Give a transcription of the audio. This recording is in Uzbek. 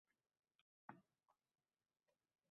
Bu vaziyatdan u bezovtalandi, behuzur boʻldi.